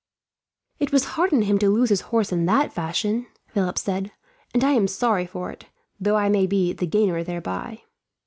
"It was hard on him to lose his horse in that fashion," Philip said; "and I am sorry for it, though I may be the gainer thereby."